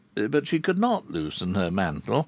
But she could not loosen her mantle.